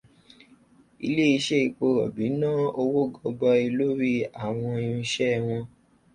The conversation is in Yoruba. Iléeṣẹ́ epo rọ̀bì ná owó gọbọi lórí àwọn irinṣẹ́ wọn.